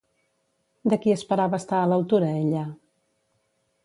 De qui esperava estar a l'altura ella?